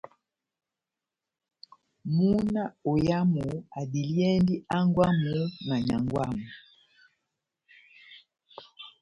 Múna oyamu adiliyɛndi hángwɛ́ wamu na nyángwɛ wamu.